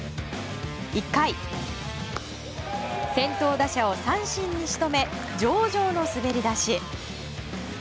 １回、先頭打者を三振に仕留め上々の滑り出し。